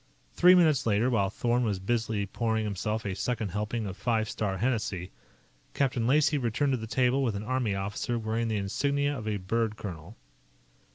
Three minutes later, while Thorn was busily pouring himself a second helping of Five Star Hennessy, Captain Lacey returned to the table with an army officer wearing the insignia of a bird colonel.